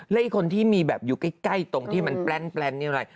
และอีกคนที่มีแบบอยู่ใกล้ตรงที่มันแปล้นอย่างไร